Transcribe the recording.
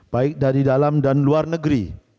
baik dari dalam dan luar negeri